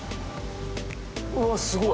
うわっすごい。